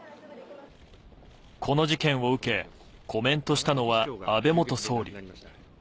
この事件を受け、コメントしたのは安倍元総理。